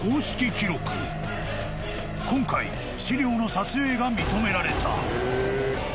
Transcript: ［今回史料の撮影が認められた］